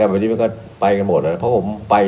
หัวเรียกผู้หยิบได้